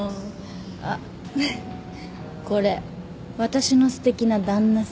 あっこれ私のすてきな旦那さん。